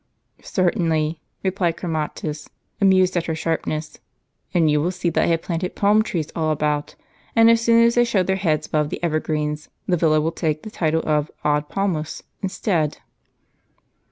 "" Certainly," replied Chromatins, amused at her sharpness, " and you will see that I have planted palm trees all about ; and, as soon as they show their heads above the evergreens, the villa will take the title of Ad Palmas* instead."